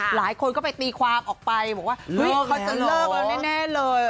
หลายคนก็ไปตีความออกไปบอกว่าเฮ้ยเขาจะเลิกแล้วแน่เลย